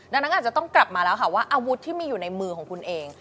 ดังนั้นอาจจะต้องกลับมาแล้วค่ะว่าอาวุธที่มีอยู่ในมือของคุณเอง